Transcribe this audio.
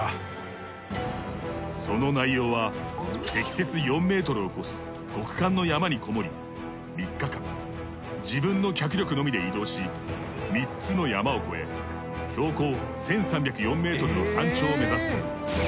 その内容は積雪４ｍを超す極寒の山にこもり３日間自分の脚力のみで移動し３つの山を越え標高１，３０４ｍの山頂を目指す。